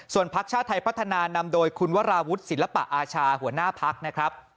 พักชาติไทยพัฒนานำโดยคุณวราวุฒิศิลปะอาชาหัวหน้าพักนะครับ